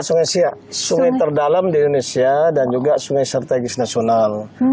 sungai siak sungai terdalam di indonesia dan juga sungai strategis nasional